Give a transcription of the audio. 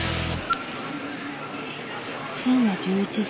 深夜１１時。